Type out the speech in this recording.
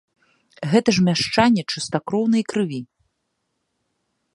Гэта ж мяшчане чыстакроўнай крыві.